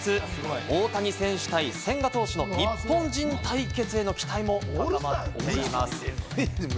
大谷選手対千賀投手の日本人対決への期待も高まっています。